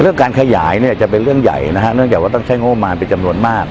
เรื่องการขยายเนี่ยจะเป็นเรื่องใหญ่นะครับไม่อยากว่าต้องใช้โง่มารเป็นจำนวนมาก